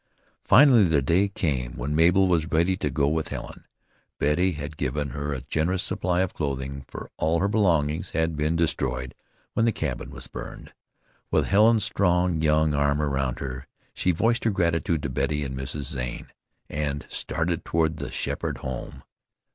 Finally the day came when Mabel was ready to go with Helen. Betty had given her a generous supply of clothing, for all her belongings had been destroyed when the cabin was burned. With Helen's strong young arm around her she voiced her gratitude to Betty and Mrs. Zane and started toward the Sheppard home.